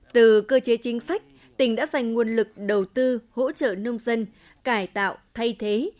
từ cơ chế chính sách tỉnh đã dành nguồn lực đầu tư hỗ trợ nông dân cải tạo thay thế